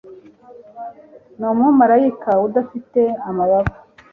Ni umumarayika udafite amababa